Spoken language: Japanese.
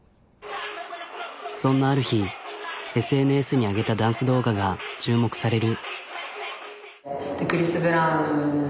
そんなある日ＳＮＳに上げたダンス動画が注目される。